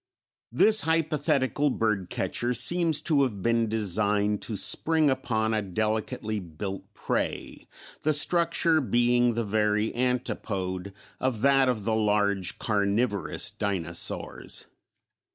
This hypothetical bird catcher seems to have been designed to spring upon a delicately built prey, the structure being the very antipode of that of the large carnivorous dinosaurs.